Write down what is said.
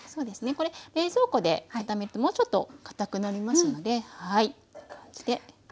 これ冷蔵庫で固めるともうちょっとかたくなりますので。